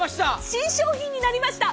新商品になりました。